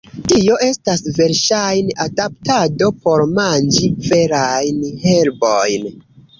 Tio estas verŝajne adaptado por manĝi verajn herbojn.